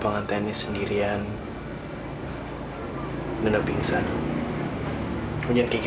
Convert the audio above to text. hai aku nemuin kamu di